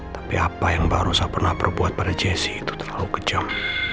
tapi apa yang mbak rosa pernah perbuat pada jesse itu terlalu kejam